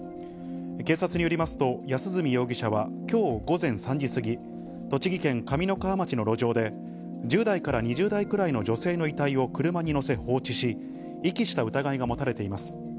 警察によりますと、安栖容疑者はきょう午前３時過ぎ、栃木県上三川町の路上で、１０代から２０代くらいの女性の遺体を車に乗せ放置し、遺棄した疑いが持たれています。